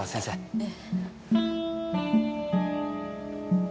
ええ。